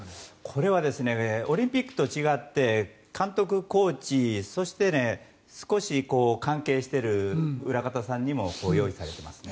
これはオリンピックと違って監督、コーチそして少し関係している裏方さんにも用意されてますね。